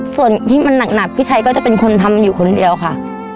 ส่วนที่มันหนักพี่ชัยก็จะเป็นคนทำอยู่คนเดียวค่ะ